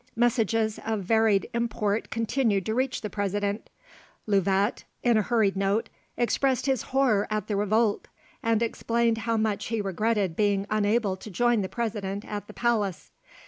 Messages of varied import continued to reach the President. Louvet, in a hurried note, expressed his horror at the revolt, and explained how much he regretted being unable to join the President at the palace.